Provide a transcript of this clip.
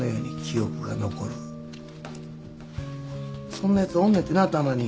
そんなヤツおんのやてなたまに。